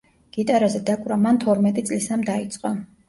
გიტარაზე დაკვრა მან თორმეტი წლისამ დაიწყო.